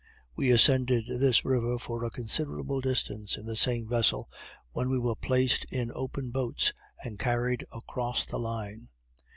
We ascended this river for a considerable distance in the same vessel, when we were placed in open boats and carried across the line.